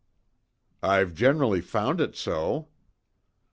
"I've generally found it so."